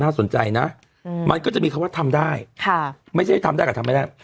สนใจนะมันก็จะมีคำว่าทำได้ไม่ใช่ทำได้กับทำไม่ได้